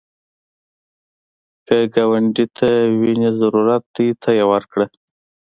که ګاونډي ته وینې ضرورت دی، ته یې ورکړه